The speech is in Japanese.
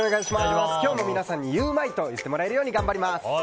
今日も皆さんに、ゆウマいと言ってもらえるように頑張ります。